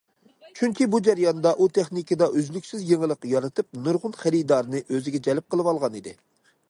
چۈنكى بۇ جەرياندا ئۇ تېخنىكىدا ئۈزلۈكسىز يېڭىلىق يارىتىپ، نۇرغۇن خېرىدارنى ئۆزىگە جەلپ قىلىۋالغان ئىدى.